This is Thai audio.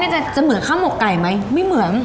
ตอนนี้กินจะเหมือนข้าวหมวกไก่ไหมไม่เหมือน